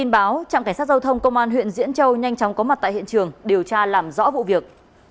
báo trạm cảnh sát giao thông công an huyện diễn châu nhanh chóng có mặt tại hiện trường điều tra làm rõ vụ việc